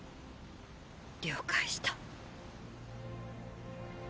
了解した。